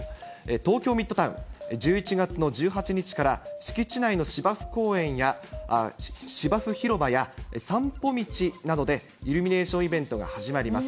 東京ミッドタウン、１１月の１８日から敷地内の芝生広場や散歩道などでイルミネーションイベントが始まります。